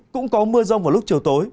cũng có mưa rông vào lúc chiều tối